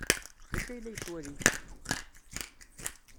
D acu ay la yettwali?